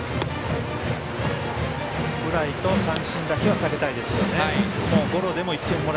フライと三振だけは避けたいですよね。